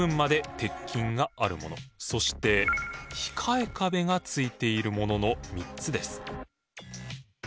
そして控え壁がついているものの３つです。